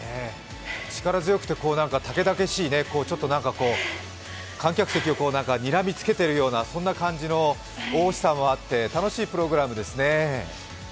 力強くてたけだけしい、観客席をにらみつけているような、そんな感じの雄々しさもあって、楽しいプログラムですね。